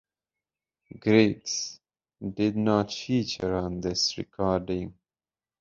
Griggs did not feature on this recording.